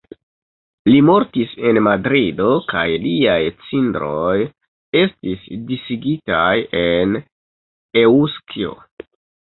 Li mortis en Madrido kaj liaj cindroj estis disigitaj en Eŭskio.